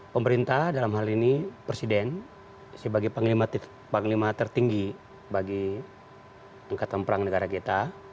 pemerintah dalam hal ini presiden sebagai panglima tertinggi bagi angkatan perang negara kita